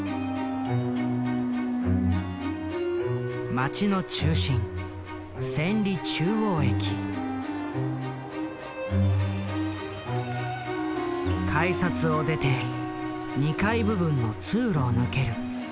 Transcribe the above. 町の中心改札を出て２階部分の通路を抜ける。